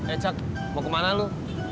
eh cak mau kemana lu